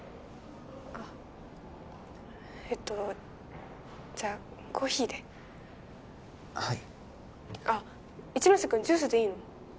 あっえっとじゃあコーヒーではいあっ一ノ瀬君ジュースでいいの？